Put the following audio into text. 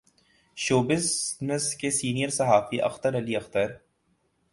شو business کے سینئر صحافی اختر علی اختر